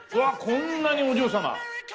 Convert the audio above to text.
こんなにお嬢様。